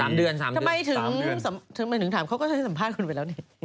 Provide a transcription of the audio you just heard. ๓เดือน๓เดือน๓เดือนทำไมถึงถามเขาก็จะสัมภาษณ์กันไปแล้วเนี่ย